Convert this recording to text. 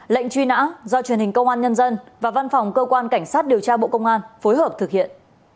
lệnh truy nã do truyền hình công an nhân dân và văn phòng cơ quan cảnh sát điều tra bộ công an phối hợp thực hiện